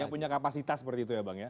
yang punya kapasitas seperti itu ya bang ya